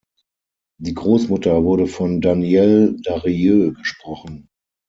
Die Großmutter wurde von Danielle Darrieux gesprochen.